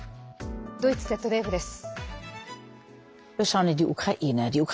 ドイツＺＤＦです。